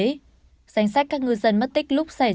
danh sách các ngư dân mất tích lúc xảy ra